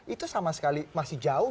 itu sama sekali masih jauh